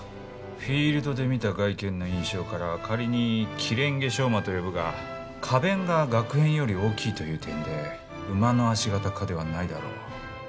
フィールドで見た外見の印象から仮にキレンゲショウマと呼ぶが花弁ががく片より大きいという点で毛科ではないだろう。